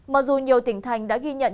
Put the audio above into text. mặc dù nhiều tỉnh thành đã ghi nhận